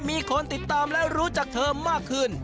มีคนติดตามและรู้จักเธอมากขึ้น